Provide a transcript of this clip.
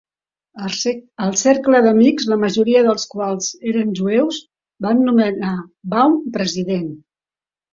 El cercle d'amics, la majoria dels quals eren jueus, van nomenar Baum president.